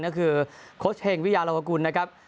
ก็คือโคตรเฮ้งวิญาณรกวกรุณนะครับ